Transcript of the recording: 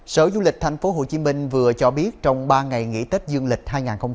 sở du lịch tp hcm vừa cho biết trong ba ngày nghỉ tết dương lịch hai nghìn hai mươi bốn